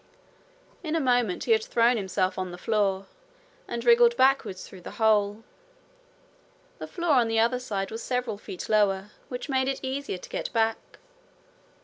In a moment he had thrown himself on the floor, and wriggled backwards through the hole. The floor on the other side was several feet lower, which made it easier to get back.